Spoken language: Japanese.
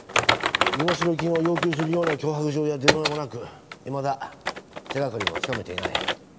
身代金を要求するような脅迫状や電話もなくいまだ手掛かりもつかめていない。